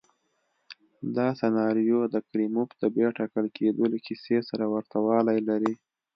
دا سناریو د کریموف د بیا ټاکل کېدو له کیسې سره ورته والی لري.